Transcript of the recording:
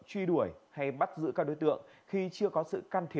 truy đuổi hay bắt giữ các đối tượng khi chưa có sự can thiệp của lực lượng công an